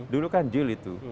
dulu kan jil itu